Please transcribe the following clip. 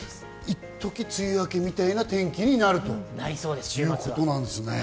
一時、梅雨明けみたいな天気になるということなんですね。